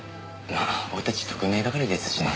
まあ俺たち特命係ですしね。